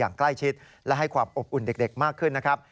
อย่างใกล้ชิดและให้ความอบอุ่นเด็กมากขึ้นนะครับ